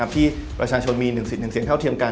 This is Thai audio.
ที่ประชาชนมี๑สิทธิ์๑เสียงเท่าเทียมกัน